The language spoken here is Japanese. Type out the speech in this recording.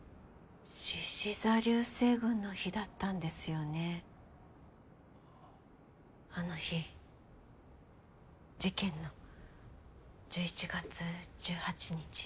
獅子座流星群の日だったんですよねあの日事件の１１月１８日。